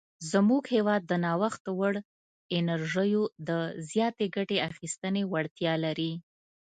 زموږ هیواد د نوښت وړ انرژیو د زیاتې ګټې اخیستنې وړتیا لري.